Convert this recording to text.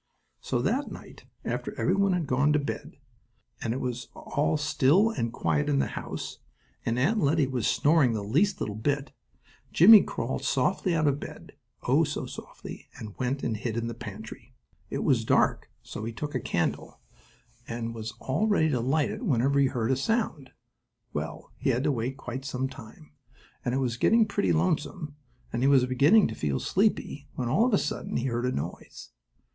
So that night, after every one had gone to bed, and it was all still and quiet in the house, and Aunt Lettie was snoring the least little bit, Jimmie crawled softly out of bed. Oh, so softly, and went and hid in the pantry. It was dark, so he took a candle and was all ready to light it whenever he heard a sound. Well, he had to wait quite some time, and it was getting pretty lonesome, and he was beginning to feel sleepy when, all of a sudden, he heard a noise!